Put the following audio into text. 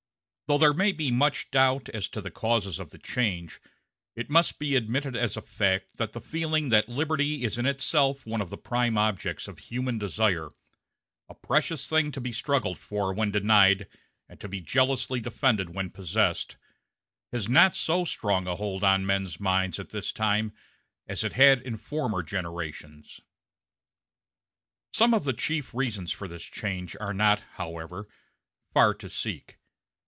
Though there may be much doubt as to the causes of the change, it must be admitted as a fact that the feeling that liberty is in itself one of the prime objects of human desire, a precious thing to be struggled for when denied and to be jealously defended when possessed, has not so strong a hold on men's minds at this time as it had in former generations. Some of the chief reasons for this change are not, however, far to seek.